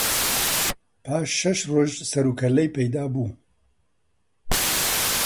پاش شەش ڕۆژ سەر و کەللەی پەیدا بوو.